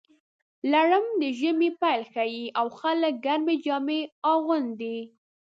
لړم د ژمي پیل ښيي، او خلک ګرمې جامې اغوندي.